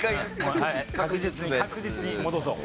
確実に確実に戻そう。